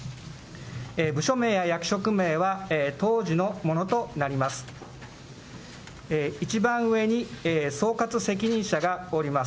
部署名や役職名は当時のものとなります。